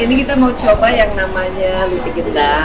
ini kita mau coba yang namanya lutegetan